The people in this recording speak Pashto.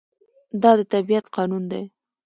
دا د طبیعت قانون دی.